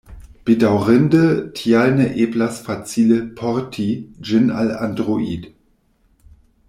Bedaŭrinde tial ne eblas facile "porti" ĝin al Android.